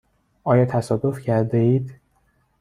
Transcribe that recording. آیا تصادف کرده اید؟